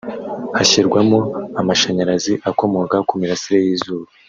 hashyirwamo amashanyarazi akomoka ku mirasire y’izuba